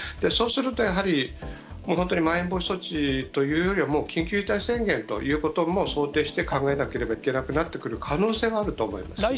そうするとやはり、本当にまん延防止措置というよりは、もう緊急事態宣言ということも想定して考えなければいけなくなってくる可能性はあると思います。